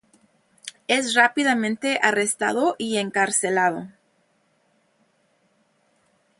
Es rápidamente arrestado y encarcelado.